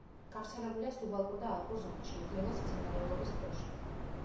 გავრცელებულია სუბალპური და ალპურ ზონაში მდელოს მცენარეულობის ქვეშ.